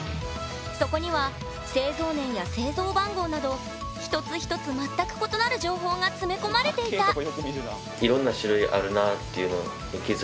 そこには製造年や製造番号など一つ一つ全く異なる情報が詰め込まれていた！